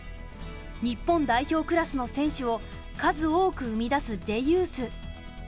日本代表クラスの選手を数多く生み出すＪユース。